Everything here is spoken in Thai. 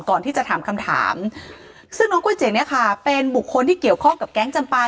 ก่อนที่จะถามคำถามซึ่งน้องก๋วยเจ๋งเนี่ยค่ะเป็นบุคคลที่เกี่ยวข้องกับแก๊งจำปา